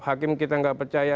hakim kita nggak percaya